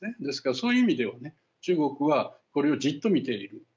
ですから、そういう意味ではね中国はこれをじっと見ている。